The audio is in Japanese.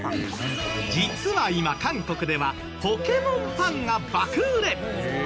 実は今韓国ではポケモンパンが爆売れ！